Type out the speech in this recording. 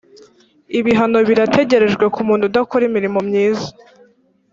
ibihano birategerejweku muntu udakora imirimo myiza